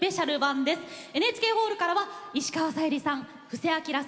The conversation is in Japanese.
ＮＨＫホールからは石川さゆりさん布施明さん